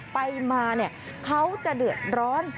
ไปมาเขาจะเดือดร้อน